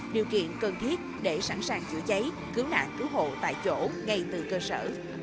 điều kiện cần thiết để sẵn sàng chữa cháy cứu nạn cứu hộ tại chỗ ngay từ cơ sở